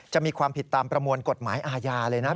จะมีความผิดตามประมวลกฎหมายอาญาเลยนะ